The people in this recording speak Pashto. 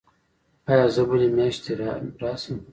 ایا زه بلې میاشتې راشم؟